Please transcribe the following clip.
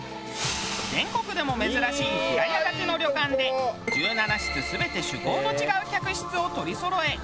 全国でも珍しい平屋建ての旅館で１７室全て趣向の違う客室を取りそろえ。